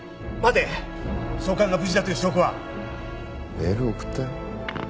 メール送ったよ。